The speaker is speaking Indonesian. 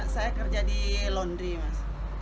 saya kerja di laundry mas